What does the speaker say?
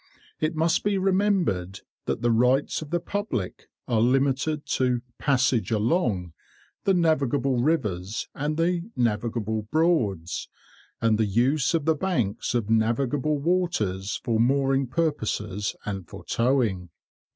It must be remembered that the rights of the public are limited to passage along the navigable rivers and the navigable broads, and the use of the banks of navigable waters for mooring purposes and for towing.